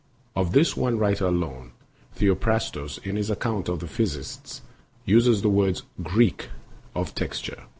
Of this one writer alone, Theophrastos, in his account of the Physicists, uses the words pavwors and zikvwors of texture.